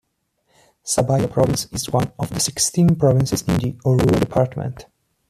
Sabaya Province is one of sixteen provinces in the Oruro Department.